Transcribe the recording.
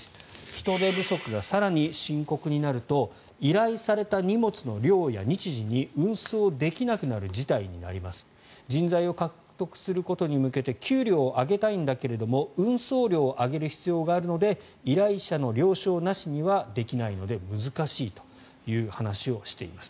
人手不足が更に深刻になると依頼された荷物の量や日時に運送できなくなる事態になります人材を獲得することに向けて給料を上げたいんだけど運送料を上げる必要があるので依頼者の了承なしにはできないので難しいという話をしています。